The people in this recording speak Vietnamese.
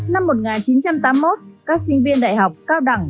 năm một nghìn chín trăm tám mươi một các sinh viên đại học cao đẳng